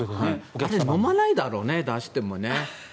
飲まないだろうね、出しても。